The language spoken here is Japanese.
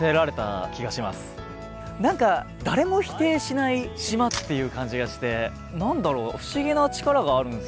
何か誰も否定しない島っていう感じがして何だろう不思議な力があるんですよね。